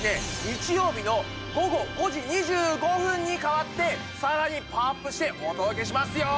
日曜日の午後５時２５分に変わってさらにパワーアップしてお届けしますよ。